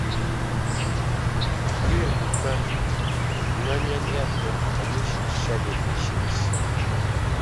During the transit, Iranian aircraft and warships shadowed the ships.